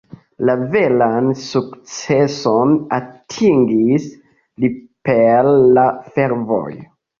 La veran sukceson atingis li per la fervojo.